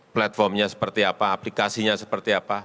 platformnya seperti apa aplikasinya seperti apa